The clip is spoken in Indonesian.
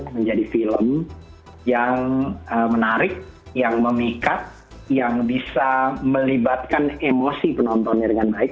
menjadi film yang menarik yang memikat yang bisa melibatkan emosi penontonnya dengan baik